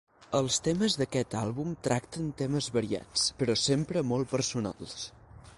Els temes d'aquest àlbum tracten temes variats, però sempre molt personals.